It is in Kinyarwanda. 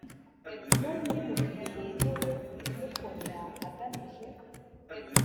n undi mu gihe yemeye kumukorera agamije